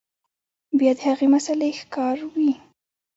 بيا د هغې مسئلې ښکار وي